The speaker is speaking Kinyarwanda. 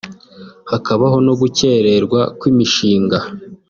hakabaho no gukererwa kw’imishinga